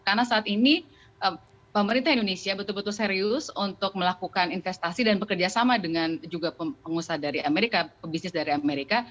karena saat ini pemerintah indonesia betul betul serius untuk melakukan investasi dan bekerja sama dengan juga pengusaha dari amerika bisnis dari amerika